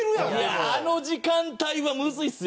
あの時間帯はむずいですよ。